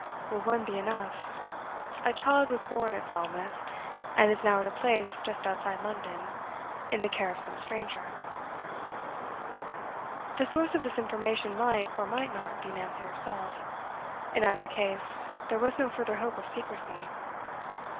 'Will one be enough? A child was born at Falmouth, and is now at a place just outside London, in the care of some stranger.' The source of this information might, or might not, be Nancy herself. In either case, there was no further hope of secrecy.